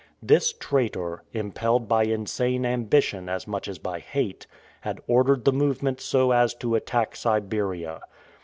This traitor, impelled by insane ambition as much as by hate, had ordered the movement so as to attack Siberia.